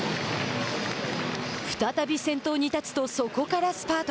再び先頭に立つとそこからスパート。